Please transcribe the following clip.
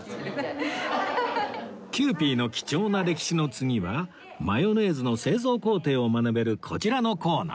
キユーピーの貴重な歴史の次はマヨネーズの製造工程を学べるこちらのコーナー